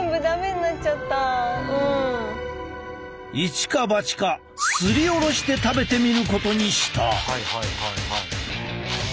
一か八かすりおろして食べてみることにした。